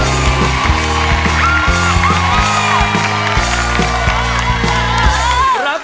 สุดท้ายมากครับ